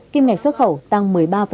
kim ngạch xuất khẩu tăng một mươi ba hai